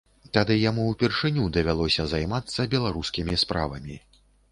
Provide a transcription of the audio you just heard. Тады яму ўпершыню давялося займацца беларускімі справамі.